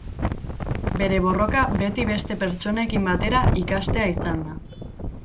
Bere borroka beti beste pertsonekin batera ikastea izan da.